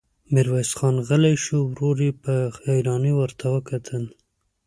ميرويس خان غلی شو، ورور يې په حيرانۍ ورته کتل.